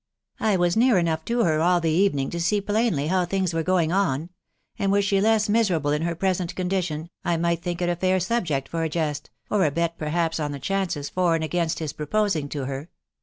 I was near enough to her all the evening to see plainly how things were going on ; and were she less miserable in her present condition, I might think it a fair subject for a jest, or a bet perhaps on the chances for and against his proposing to her.